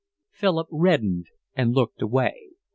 Philip reddened and looked away.